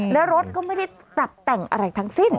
แล้วรถก็ไม่ได้ปรับแต่งอะไรทั้งสิ้น